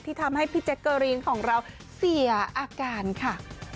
ทำให้พี่แจ๊กเกอรีนของเราเสียอาการค่ะ